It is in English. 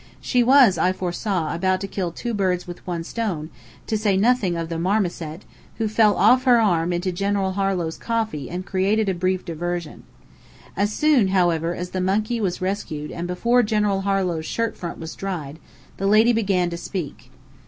She was, I foresaw, about to kill two birds with one stone, to say nothing of the marmoset, who fell off her arm into General Harlow's coffee and created a brief diversion. As soon, however, as the monkey was rescued and before General Harlow's shirt front was dried, the lady began to speak.